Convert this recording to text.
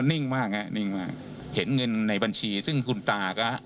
นิ่งมากฮะนิ่งมากเห็นเงินในบัญชีซึ่งคุณตาก็